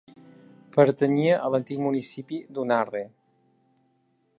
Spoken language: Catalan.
Pertanyia a l'antic municipi d'Unarre.